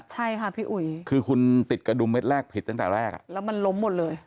ใช่ค่ะพี่อุ๋ยคือคุณติดกระดุมเม็ดแรกผิดตั้งแต่แรกอ่ะแล้วมันล้มหมดเลย